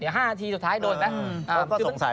เดี๋ยว๕นาทีสุดท้ายโดดแป๊ะ